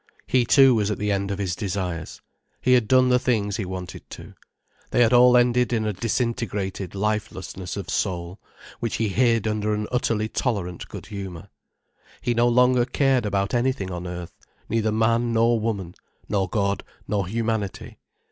He too was at the end of his desires. He had done the things he had wanted to. They had all ended in a disintegrated lifelessness of soul, which he hid under an utterly tolerant good humour. He no longer cared about anything on earth, neither man nor woman, nor God nor humanity.